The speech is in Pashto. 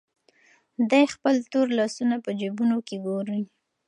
دی خپل تور لاسونه په جېبونو کې ګوري.